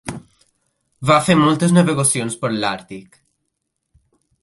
Va fer moltes navegacions per l'Àrtic.